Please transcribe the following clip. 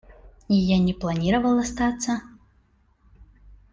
Я не планировал остаться.